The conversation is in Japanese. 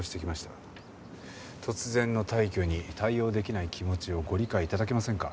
突然の退去に対応できない気持ちをご理解頂けませんか？